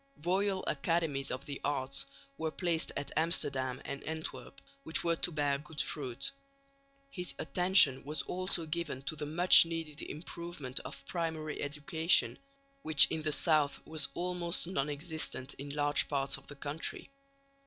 Royal Academies of the Arts were placed at Amsterdam and Antwerp, which were to bear good fruit. His attention was also given to the much needed improvement of primary education, which in the south was almost non existent in large parts of the country.